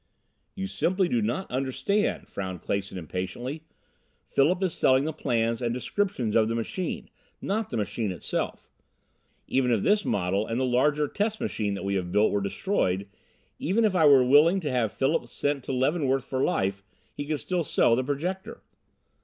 "You simply do not understand," frowned Clason impatiently. "Philip is selling the plans and descriptions of the machine, not the machine itself. Even if this model and the larger test machine that we have built were destroyed even if I were willing to have Philip sent to Leavenworth for life he could still sell the Projector.